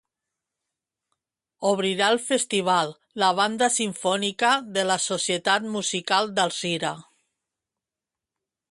Obrirà el festival la Banda Simfònica de la Societat Musical d'Alzira.